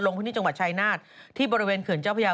ลงพิมพ์จังหวัดชายนาฬที่บริเวณเขื่อนเจ้าพญา